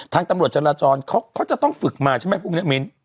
ตำรวจจราจรเขาจะต้องฝึกมาใช่ไหมพรุ่งนี้มิ้น